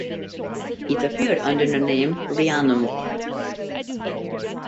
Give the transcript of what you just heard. It appeared under the name Rhiannon Ward.